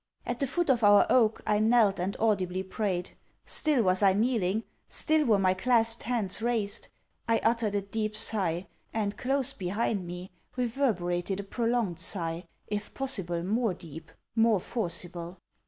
At the foot of our oak, I knelt and audibly prayed. Still was I kneeling: still were my clasped hands raised: I uttered a deep sigh: and, close behind me, reverberated a prolonged sigh, if possible more deep, more forcible.